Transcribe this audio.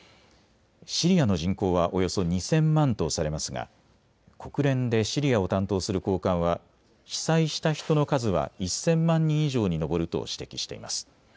シリアの人口はおよそ２０００万とされますが国連でシリアを担当する高官は被災した人の数は１０００万人以上に上ると指摘しています。